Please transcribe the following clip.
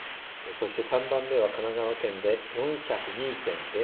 そして、３番目は神奈川県で４０２．０７人。